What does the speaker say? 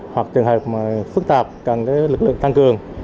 hoặc trường hợp phức tạp cần lực lượng tăng cường